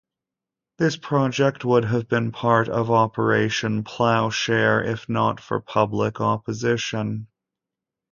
This project would have been part of Operation Plowshare if not for public opposition.